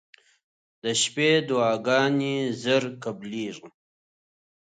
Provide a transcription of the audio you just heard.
• د شپې دعاګانې زر قبلېږي.